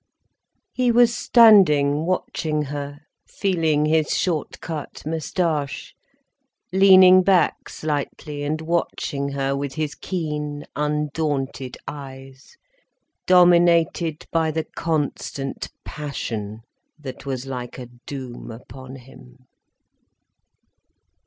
He was standing watching her, feeling his short cut moustache, leaning back slightly and watching her with his keen, undaunted eyes, dominated by the constant passion, that was like a doom upon him.